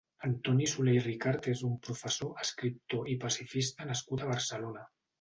Antoni Soler i Ricart és un professor, escriptor i pacifista nascut a Barcelona.